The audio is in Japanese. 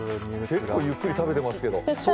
結構ゆっくり食べてるけど。